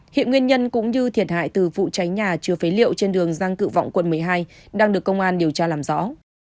hiện nguyên nhân cũng như thiệt hại từ vụ cháy nhà chứa phế liệu trên đường giang cự vọng quận một mươi hai đang được công an điều tra làm rõ